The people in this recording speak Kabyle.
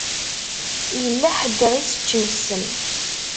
Yella ḥedd i ɣ-iseččen ssem.